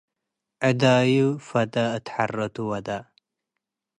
ዕዳዩ ፈደ እት ሐረቱ ወደ።